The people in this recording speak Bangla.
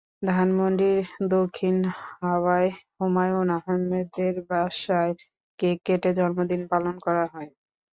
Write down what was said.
ধানমন্ডির দখিন হাওয়ায় হুমায়ূন আহমেদের বাসায় কেক কেটে জন্মদিন পালন করা হয়।